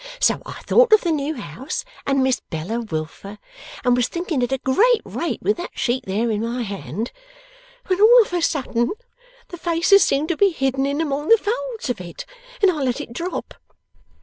So I thought of the new house and Miss Bella Wilfer, and was thinking at a great rate with that sheet there in my hand, when all of a sudden, the faces seemed to be hidden in among the folds of it and I let it drop.